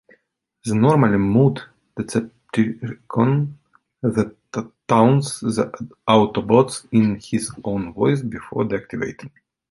The normally mute Decepticon then taunts the Autobots in his own voice before deactivating.